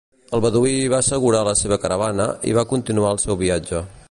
El beduí va assegurar la seva caravana i va continuar el seu viatge.